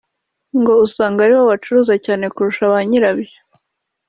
ngo usanga aribo bacuruza cyane kurusha ba nyirabyo